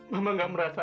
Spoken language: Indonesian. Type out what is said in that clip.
mama tidak merasakan